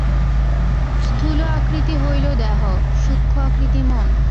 স্থূল আকৃতি হইল দেহ, সূক্ষ্ম আকৃতি মন।